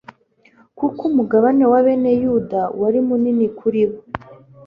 kuko umugabane wa bene yuda wari munini kuri bo